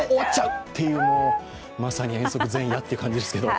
まさに遠足前夜という感じですけど。